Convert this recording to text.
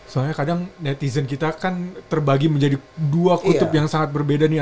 soalnya kadang netizen kita kan terbagi menjadi dua kutub yang sangat berbeda nih